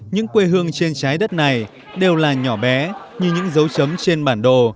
những quê hương trên trái đất này đều là nhỏ bé như những dấu chấm trên bản đồ